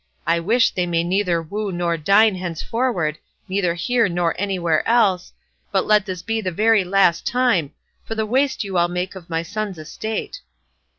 I wish they may neither woo nor dine henceforward, neither here nor anywhere else, but let this be the very last time, for the waste you all make of my son's estate.